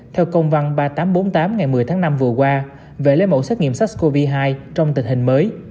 theo công văn ba nghìn tám trăm bốn mươi tám ngày một mươi tháng năm vừa qua về lấy mẫu xét nghiệm sars cov hai trong tình hình mới